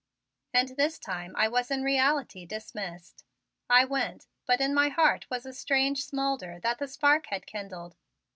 And this time I was in reality dismissed. I went; but in my heart was a strange smoulder that the spark had kindled.